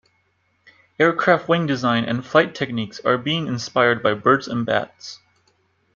Aircraft wing design and flight techniques are being inspired by birds and bats.